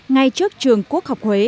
ngay trước trường quốc học huế